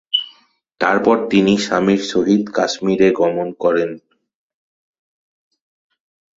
তারপর তিনি স্বামীর সহিত কাশ্মীরে গমন করেন।